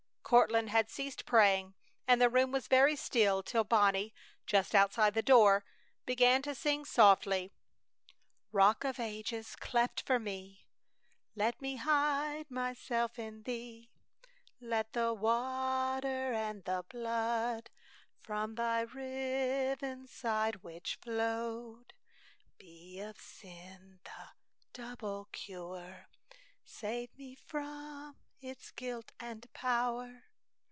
Courtland had ceased praying and the room was very still till Bonnie, just outside the door, began to sing, softly: "Rock of Ages, cleft for me, Let me hide myself in Thee! Let the water and the blood From Thy riven side which flowed Be of sin the double cure, Save me from its guilt and power!"